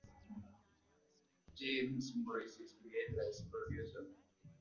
James Morris is credited as Producer.